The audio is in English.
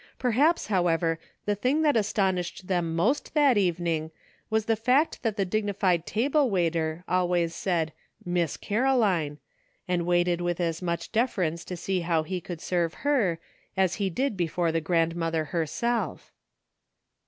Perhaps, however, the thing that astonished them most that even ing was the fact that the dignified table waiter always said "Miss Caroline," and waited with as much deference to see how he could ser^^e her as he did before the grandmother herself.